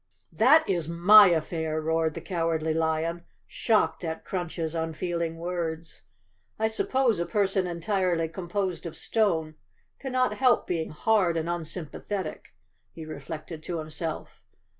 "That is my affair," roared the Cowardly Lion, shocked at Crunch's unfeeling words. "I suppose a person entirely composed of stone cannot help being 264 Chapter Twenty hard and unsympathetic," he reflected to himself.